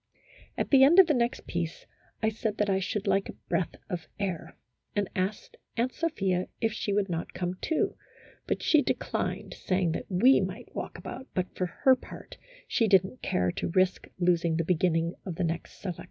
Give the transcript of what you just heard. At the end of the next piece, I said that I should like a breath of air, and asked Aunt Sophia if she would not come, too, but she declined, saying that we might walk about, but for her part she did n't care to risk losing the beginning of the next selec tion.